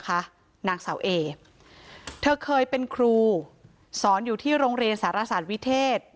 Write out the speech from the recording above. นางสาวเอเธอเคยเป็นครูสอนอยู่ที่โรงเรียนสารศาสตร์วิเทศ